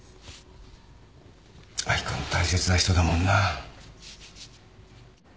明子の大切な人だもんな。